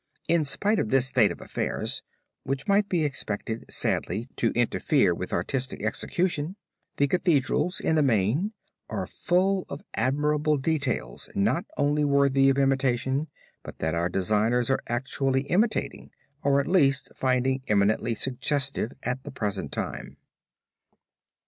In spite of this state of affairs, which might be expected sadly to interfere with artistic execution, the Cathedrals, in the main, are full of admirable details not only worthy of imitation, but that our designers are actually imitating or at least finding eminently suggestive at the present time.